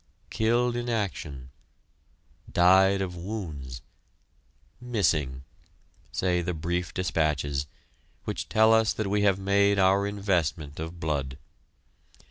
"Killed in action," "died of wounds," "missing," say the brief despatches, which tell us that we have made our investment of blood.